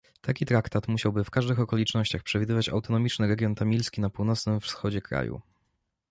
Taki traktat musiałby w każdych okolicznościach przewidywać autonomiczny region tamilski na północnym wschodzie kraju